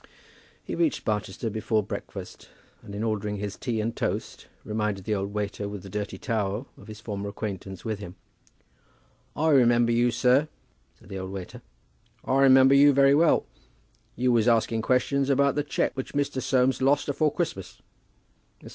He reached Barchester before breakfast, and in ordering his tea and toast, reminded the old waiter with the dirty towel of his former acquaintance with him. "I remember you, sir," said the old waiter. "I remember you very well. You was asking questions about the cheque which Mr. Soames lost afore Christmas." Mr.